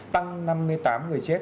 tăng năm mươi tám người chết